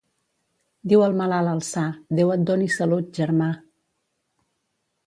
Diu el malalt al sa: Déu et doni salut, germà.